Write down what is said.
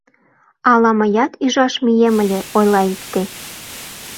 Ала мыят ӱжаш мием ыле, — ойла икте.